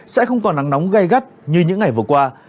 sẽ không còn nắng nóng gây gắt như những ngày vừa qua